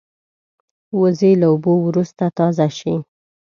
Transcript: وزې له اوبو وروسته تازه شي